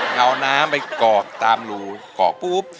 เอาน้ำไปเกาะตามรูเกาะปุ๊บ